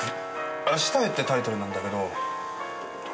『明日へ』ってタイトルなんだけどどう思う？